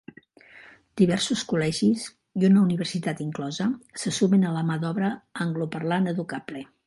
Diversos col·legis, i una universitat inclosa, se sumen a la mà d'obra angloparlant educable.